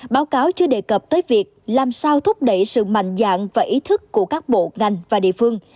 báo cáo chưa đề cập tới việc làm sao thúc đẩy sự mạnh dạng và ý thức của các bộ ngành và địa phương